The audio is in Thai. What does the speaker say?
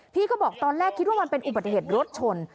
พี่ก็บอกตอนแรกคิดว่ามันเป็นอุบัติเหตุรถชน